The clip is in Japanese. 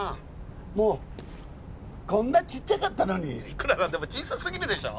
もうこんなちっちゃかったのにいくら何でも小さすぎるでしょ